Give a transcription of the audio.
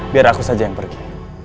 biar aku saja yang pergi